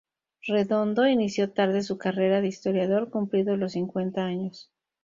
Redondo inició tarde su carrera de historiador, cumplidos los cincuenta años.